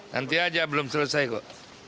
nanti aja belum selesai kok